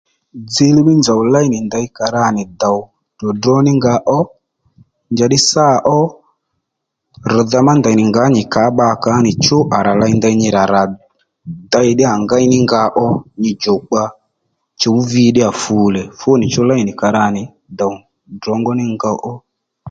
Dziylíy mí zòw léy nì ndey ka ra nì dòw dròdró ní nga ó njàddí sâ ó rr̀dha ma ndèy nì ngǎ nyì kàó bba kǎ nì chú rà ley ndey nyi rà rà dey ddíyà ngéy ní nga ó nyi djùkpa chǔw vi ddíyà fulè fúnì chú léy nì ka rà nì dòw drǒngó ní ngòw ó